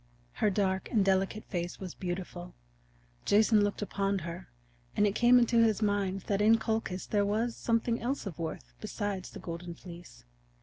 Her dark and delicate face was beautiful. Jason looked upon her, and it came into his mind that in Colchis there was something else of worth besides the Golden Fleece.